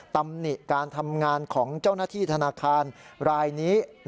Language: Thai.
ตำหนิการทำงานของเจ้าหน้าที่ธนาคารรายนี้